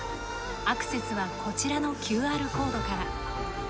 アクセスはこちらのＱＲコードから。